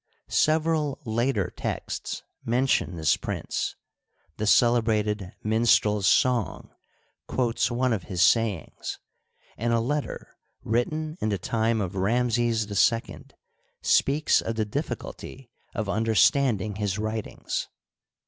Several later texts mention this prince ; the celebrated " Minstrel's Song " quotes one of his sayings, and a letter written in the time of Ramses H speaks of the difficulty of under standing his writings.